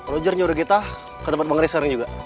roger nyuruh kita ke tempat bang ray sekarang juga